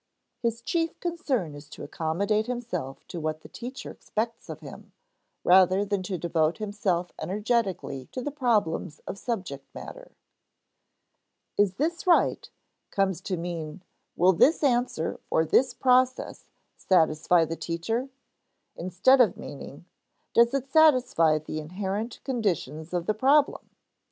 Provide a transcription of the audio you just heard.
His chief concern is to accommodate himself to what the teacher expects of him, rather than to devote himself energetically to the problems of subject matter. "Is this right?" comes to mean "Will this answer or this process satisfy the teacher?" instead of meaning, "Does it satisfy the inherent conditions of the problem?"